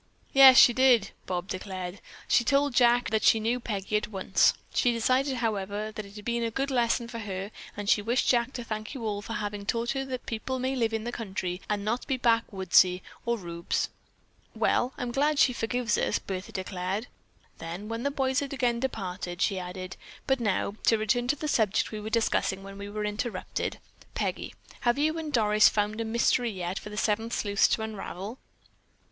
"Yes, she did," Bob declared. "She told Jack that she knew Peggy at once. She decided, however, that it had been a good lesson for her and she wished Jack to thank you all for having taught her that people may live in the country and not be backwoodsy or rubes." "Well, I'm glad she forgives us!" Bertha declared. Then, when the boys had again departed, she added: "But now, to return to the subject we were discussing when we were interrupted. Peggy, have you and Doris found a mystery yet for the Seven Sleuths to unravel?"